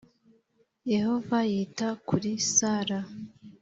Yehova yita kuri Sara